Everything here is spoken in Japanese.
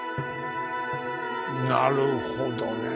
なるほどね。